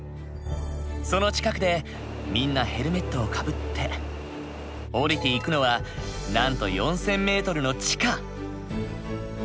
その近くでみんなヘルメットをかぶって降りていくのはなんと４，０００ｍの地下！